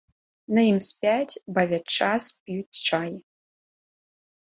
На ім спяць, бавяць час, п'юць чай.